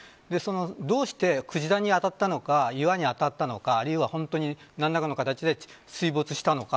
どうして、クジラに当たったのか岩に当たったのか、あるいは本当に何らかの形で水没したのか。